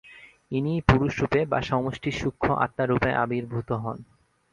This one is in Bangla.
ইনিই পুরুষরূপে বা সমষ্টি সূক্ষ্ম আত্মারূপে আবির্ভূত হন।